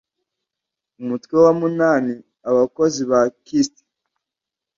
umutwe wa munani abakozi ba kist